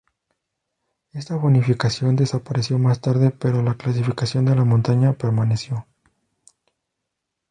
Esta bonificación despareció más tarde, pero la clasificación de la montaña permaneció.